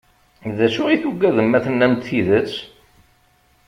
D acu i tugadem ma tennam-d tidet?